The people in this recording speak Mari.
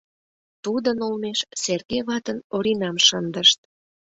Тудын олмеш Серге ватын Оринам шындышт.